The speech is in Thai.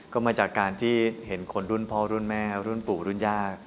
ก็มาจากการที่เห็นคนรุ่นพ่อรุ่นแม่รุ่นปู่รุ่นย่า